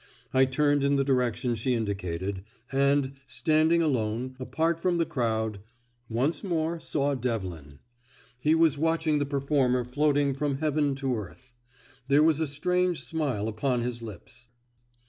I turned in the direction she indicated, and, standing alone, apart from the crowd, once more saw Devlin. He was watching the performer floating from heaven to earth. There was a strange smile upon his lips.